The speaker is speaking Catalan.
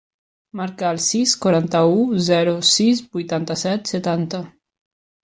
Marca el sis, quaranta-u, zero, sis, vuitanta-set, setanta.